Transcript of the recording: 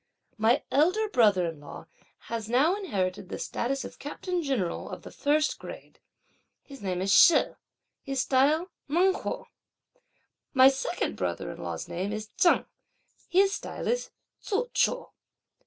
My elder brother in law has now inherited the status of Captain General of the first grade. His name is She, his style Ngen hou. My second brother in law's name is Cheng, his style is Tzu chou.